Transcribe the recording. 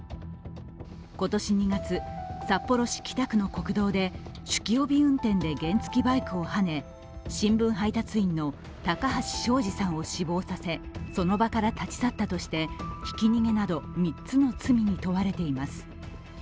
今年２月、札幌市北区の国道で酒気帯び運転で原付きバイクをはね、新聞配達員の高橋章二さんを死亡させその場から立ち去ったとしてひき逃げなど３つの罪に問われています。